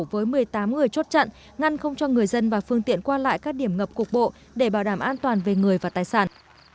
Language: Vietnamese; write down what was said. với một mươi tám người chốt chặn ngăn không cho người dân và phương tiện qua lại các điểm ngập cục bộ để bảo đảm an toàn về người và tài sản